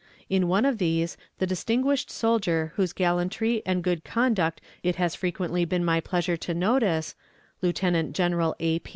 In one of these, the distinguished soldier whose gallantry and good conduct it has frequently been my pleasure to notice, Lieutenant General A.